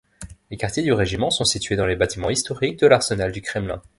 Les quartiers du régiment sont situés dans les bâtiments historiques de l'arsenal du Kremlin.